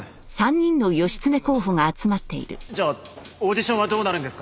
じゃあオーディションはどうなるんですか？